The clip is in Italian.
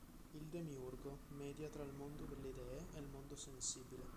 Il Demiurgo media tra il mondo delle idee e il mondo sensibile.